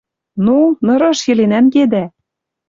— Ну, нырыш йӹле нӓнгедӓ!